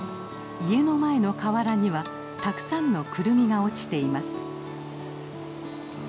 家の前の河原にはたくさんのクルミが落ちています。